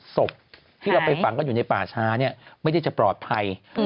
ศพที่เราไปฝังกันอยู่ในป่าช้าเนี่ยไม่ได้จะปลอดภัย